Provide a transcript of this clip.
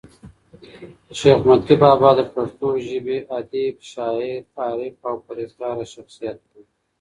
شېخ متي بابا دپښتو ژبي ادیب، شاعر، عارف او پر هېزګاره شخصیت وو.